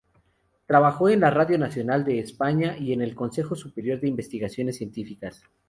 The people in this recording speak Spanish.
Trabajó en Radio Nacional de España y en el Consejo Superior de Investigaciones Científicas.